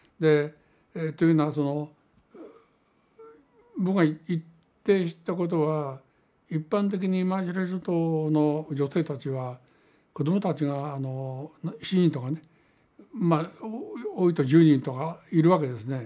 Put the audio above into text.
というのはその僕が行って知ったことは一般的にマーシャル諸島の女性たちは子供たちが７人とかね多いと１０人とかいるわけですね。